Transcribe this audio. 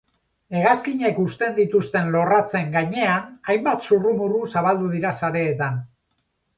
Hegazkinek uzten dituzten lorratzen gainean hainbat zurrumurru zabaldu dira sareetan.